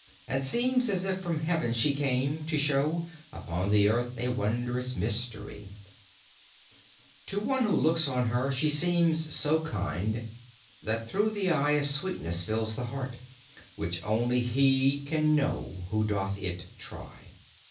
And seems as if from heaven she came, to show Upon the earth a wondrous mystery: To one who looks on her she seems so kind, That through the eye a sweetness fills the heart, Which only he can know who doth it try.